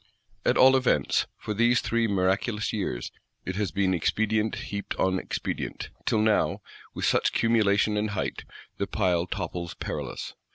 At all events, for these three miraculous years, it has been expedient heaped on expedient; till now, with such cumulation and height, the pile topples perilous.